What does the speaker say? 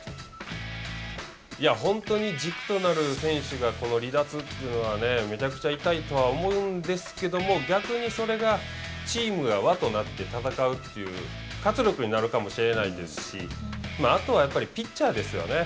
本当に軸となる選手がこの離脱というのはめちゃくちゃ痛いとは思うんですけども逆にそれがチームが和となって戦うという活力になるかもしれないですしあとはやっぱりピッチャーですよね。